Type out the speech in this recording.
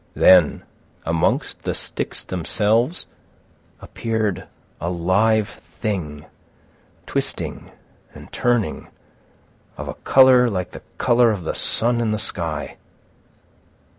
Then, amongst the sticks themselves, appeared a live thing, twisting and turning, of a colour like the colour of the sun in the sky.